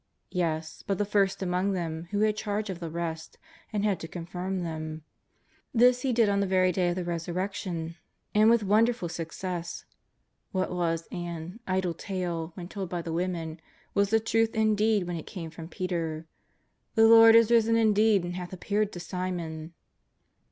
Yes, but the first among them, who had charge of the rest and had to con firm them. This he did on the very Day of the Pesur rection. And with wonderful success. What was an " idle tale," when told by the women, was the truth indeed when it came from Peter :" The Lord is risen in deed and hath appeared to Simon."